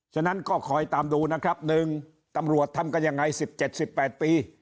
ฉะนั้นก็คอยตามดูนะครับหนึ่งตำรวจทำกันยังไงสิบเจ็ดสิบแปดปี